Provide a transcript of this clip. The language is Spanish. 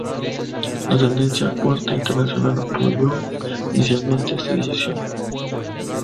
La tendencia Cuarta Internacional apoyó inicialmente esta decisión.